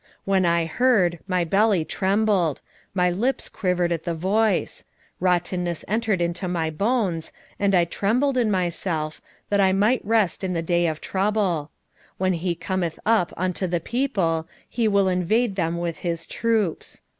3:16 When I heard, my belly trembled; my lips quivered at the voice: rottenness entered into my bones, and I trembled in myself, that I might rest in the day of trouble: when he cometh up unto the people, he will invade them with his troops.